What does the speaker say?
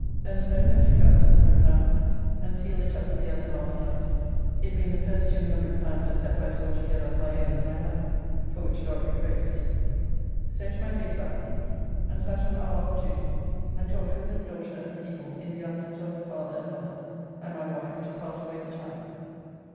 Thence home, and took out this L100 and sealed it up with the other last night, it being the first L200 that ever I saw together of my own in my life. For which God be praised. So to my Lady Batten, and sat an hour or two, and talked with her daughter and people in the absence of her father and mother and my wife to pass away the time.